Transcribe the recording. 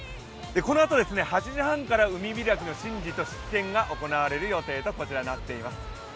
このあと８時半から海開きの神事と式典が行われる予定になっています。